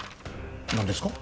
何ですか？